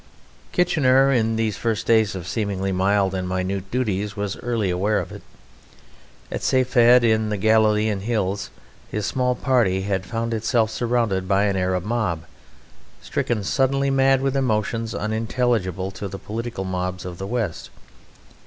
Kitchener, in these first days of seemingly mild and minute duties, was early aware of it. At Safed, in the Galilean hills, his small party had found itself surrounded by an Arab mob, stricken suddenly mad with emotions unintelligible to the political mobs of the West.